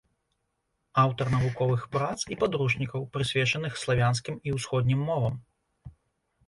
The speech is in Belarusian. Аўтар навуковых прац і падручнікаў, прысвечаных славянскім і ўсходнім мовам.